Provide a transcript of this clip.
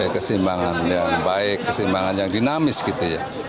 keseimbangan yang baik keseimbangan yang dinamis gitu ya